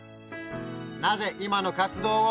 なぜ今の活動を？